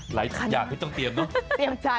หลายอย่างที่ต้องเตรียมเนอะ